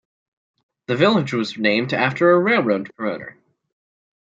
The village was named after a railroad promoter.